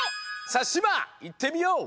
さあしまいってみよう。